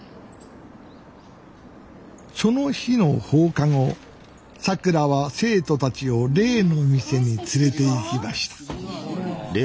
その日の放課後さくらは生徒たちを例の店に連れていきました